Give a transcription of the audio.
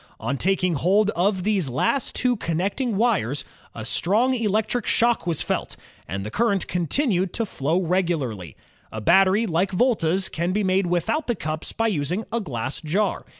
On taking hold of these last two connecting wires a strong electric shock was felt, and the current continued to flow regularly, A battery like Volta 's can be made without the cups by using a glass jar.